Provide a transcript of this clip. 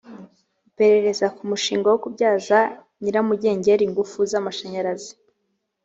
iperereza ku mushinga wo kubyaza nyiramugengeri ingufu z’amashanyarazi